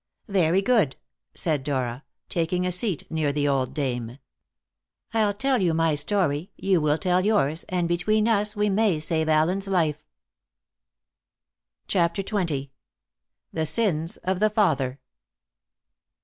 "Very good," said Dora, taking a seat near the old dame. "I'll tell my story, you will tell yours, and between us we may save Allen's life." CHAPTER XX. THE SINS OF THE FATHER.